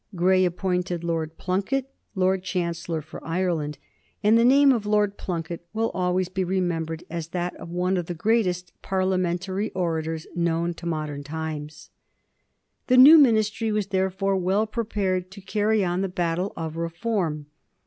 Grey appointed Lord Plunket Lord Chancellor for Ireland, and the name of Lord Plunket will always be remembered as that of one of the greatest Parliamentary orators known to modern times. The new Ministry was, therefore, well prepared to carry on the battle of reform.